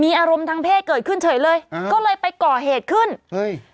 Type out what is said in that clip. อารมณ์ทางเพศเกิดขึ้นเฉยเลยอ่าก็เลยไปก่อเหตุขึ้นเฮ้ย